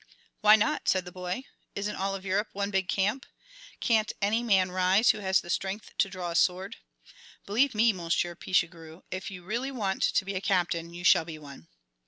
"Why not?" said the boy. "Isn't all of Europe one big camp? Can't any man rise who has strength to draw a sword? Believe me, Monsieur Pichegru, if you really want to be a captain you shall be one."